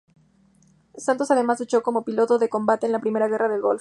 Santos además luchó como piloto de combate en la primera Guerra del Golfo.